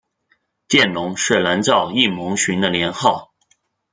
见龙是南诏异牟寻的年号。